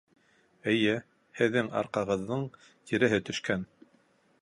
Эйе, һеҙҙең арҡағыҙҙың тиреһе төшкән